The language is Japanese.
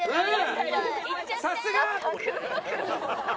さすが！